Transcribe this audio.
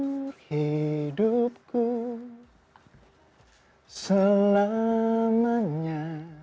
seumur hidupku selamanya